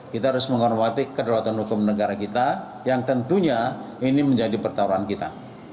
kita harus menghormati kedaulatan hukum negara kita yang tentunya ini menjadi pertaruhan kita